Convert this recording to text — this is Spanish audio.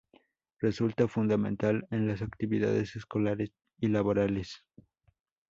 Resulta fundamental en las actividades escolares y laborales.